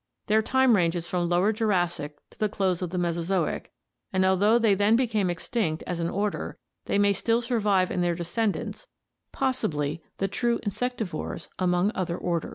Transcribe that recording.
Their time range is from Lower Jurassic to the close of the Mesozoic, and although they then be came extinct as an order thev mav still survive in their descendants — possibly the true insectivores among other orders.